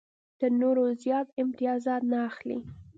تر نورو زیات امتیازات نه اخلي.